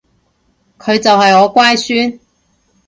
佢就係我乖孫